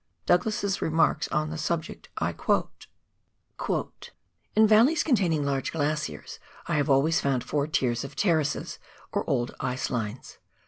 Douglas's remarks on the subject I quote :—" In valleys containing large glaciers I have always found four tiers of terraces, or old ice lines.